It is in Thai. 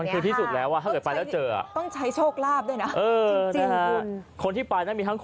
มันคือที่สุดละว่าถ้าเกิดไปแล้วเจอ